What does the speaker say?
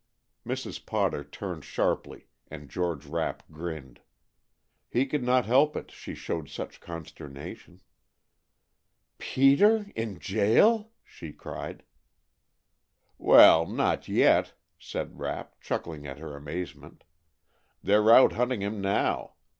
Mrs. Potter turned sharply and George Rapp grinned. He could not help it, she showed such consternation. "Peter in jail?" she cried. "Well, not yet," said Rapp, chuckling at her amazement. "They 're out hunting him now.